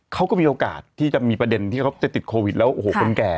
เขาก็มีโอกาสที่จะมีประเด็นที่เขาจะติดโควิดแล้วโอ้โหคนแก่